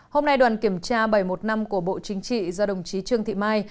hôm nay đoàn kiểm tra bảy mươi một năm của bộ chính trị do đồng chí trương thị mai